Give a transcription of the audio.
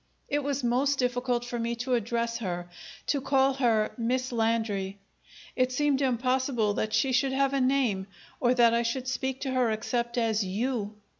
It was most difficult for me to address her, to call her "Miss Landry." It seemed impossible that she should have a name, or that I should speak to her except as "you."